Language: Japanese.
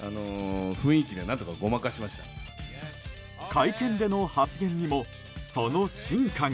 会見での発言にもその真価が。